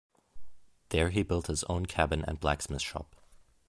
There he built his own cabin and blacksmith shop.